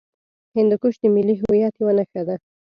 هندوکش د ملي هویت یوه نښه ده.